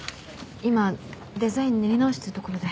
今デザイン練り直してるところで。